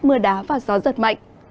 mưa đá và gió rất lớn